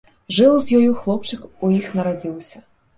Жыў з ёю, хлопчык у іх нарадзіўся.